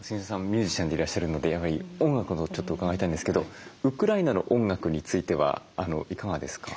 ミュージシャンでいらっしゃるのでやはり音楽をちょっと伺いたいんですけどウクライナの音楽についてはいかがですか？